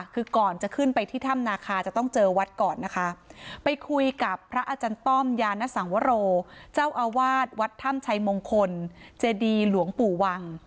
คือก่อนจะขึ้นไปที่ถ้ำนาคาจะต้องเจอวัดก่อนนะคะไปคุยกับพระอาจารย์ต้อมยานสังวโรเจ้าอาวาสวัดถ้ำชัยมงคลเจดีหลวงปู่วัง